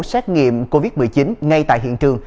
xét nghiệm covid một mươi chín ngay tại hiện trường